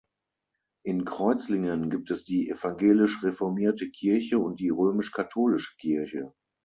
In Kreuzlingen gibt es die Evangelisch-reformierte Kirche und die Römisch-katholische Kirche.